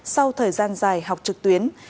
sau thời gian dài học trực tuyến